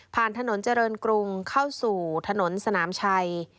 ถนนเจริญกรุงเข้าสู่ถนนสนามชัย